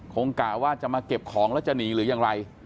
กะว่าจะมาเก็บของแล้วจะหนีหรือยังไร